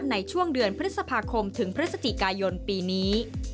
ในช่วงเดือนพฤษภาคมถึงพฤศจิกายนปีนี้